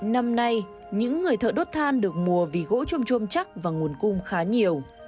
năm nay những người thợ đốt than được mùa vì gỗ chôm chôm chắc và nguồn cung khá nhiều